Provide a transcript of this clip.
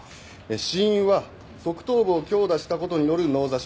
死因は側頭部を強打した事による脳挫傷。